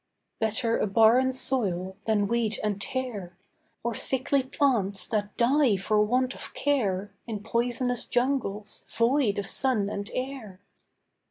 Better a barren soil than weed and tare, Or sickly plants that die for want of care In poisonous jungles, void of sun and air.